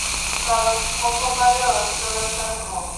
Kawo gik moko mayot, kelo chandruok.